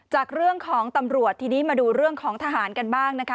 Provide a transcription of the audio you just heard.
จากเรื่องของตำรวจทีนี้มาดูเรื่องของทหารกันบ้างนะคะ